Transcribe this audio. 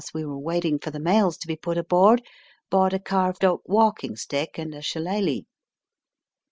we were waiting for the mails to be put aboard bought a caxved oak walking stick and a shillelagh.''